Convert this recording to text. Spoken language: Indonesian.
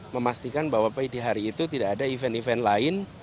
memastikan bahwa di hari itu tidak ada event event lain